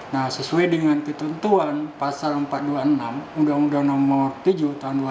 nah sesuai dengan ketentuan pasal empat ratus dua puluh enam undang undang nomor tujuh tahun dua ribu dua